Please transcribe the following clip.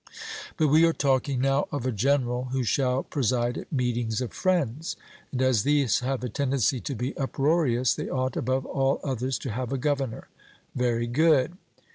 But we are talking now of a general who shall preside at meetings of friends and as these have a tendency to be uproarious, they ought above all others to have a governor. 'Very good.'